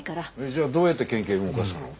じゃあどうやって県警動かしたの？